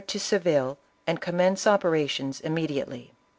to Seville and commence operations immediately.